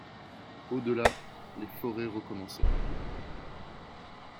Au delà, les forêts recommençaient.